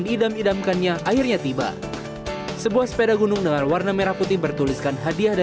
diidam idamkan nya akhirnya tiba sebuah sepeda gunung dengan warna merah putih bertuliskan hadiah